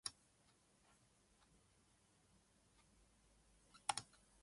Mae bachgen bach yn chwarae gyda'i gylchyn hwla.